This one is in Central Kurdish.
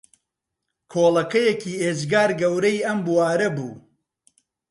کۆڵەکەیەکی ئێجگار گەورەی ئەم بوارە بوو